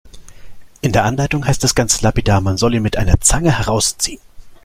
In der Anleitung heißt es ganz lapidar, man soll ihn mit einer Zange herausziehen.